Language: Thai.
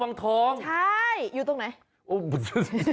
อ๋อวังทองอยู่ตรงไหน